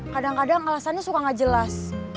kadang kadang alasannya suka gak jelas